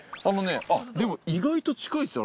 でも意外と近いですよ。